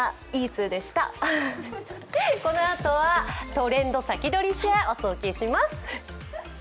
このあとは「トレンドさきどり＃シェア」お届けします。